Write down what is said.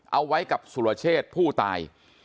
เอาไว้กับสุรเชษผู้ตาย